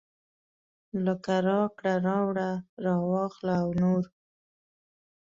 لکه راکړه راوړه راواخله او نور.